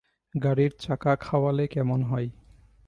গাড়ির চাকা খাওয়ালে কেমন হয়?